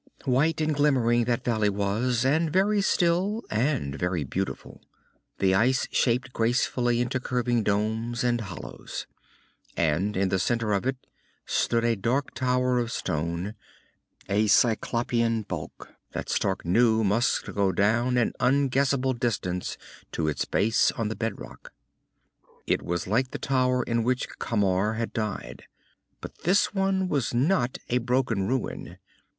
White and glimmering that valley was, and very still, and very beautiful, the ice shaped gracefully into curving domes and hollows. And in the center of it stood a dark tower of stone, a cyclopean bulk that Stark knew must go down an unguessable distance to its base on the bedrock. It was like the tower in which Camar had died. But this one was not a broken ruin.